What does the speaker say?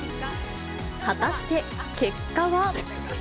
果たして結果は。